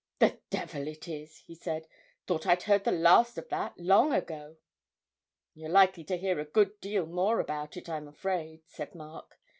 'The devil it is!' he said. 'Thought I'd heard the last of that long ago!' 'You're likely to hear a good deal more about it, I'm afraid,' said Mark.